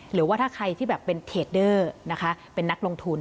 หรือว่าถ้าใครที่แบบเป็นเทรดเดอร์นะคะเป็นนักลงทุน